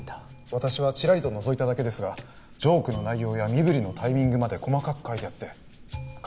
私はちらりとのぞいただけですがジョークの内容や身ぶりのタイミングまで細かく書いてあって感服した。